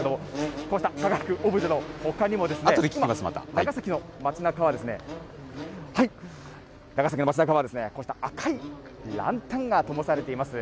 こうしたオブジェのほかにもですね、長崎の街なかはですね、こうした赤いランタンがともされています。